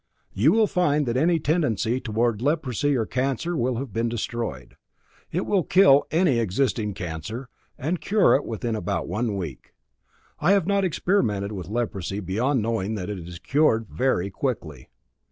You will find that any tendency toward leprosy or cancer will have been destroyed. It will kill any existing cancer, and cure it in about one week. I have not experimented with leprosy beyond knowing that it is cured very quickly.